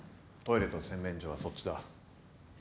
トイレと洗面所はそっちだ。